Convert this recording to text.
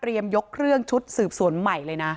ยกเครื่องชุดสืบสวนใหม่เลยนะ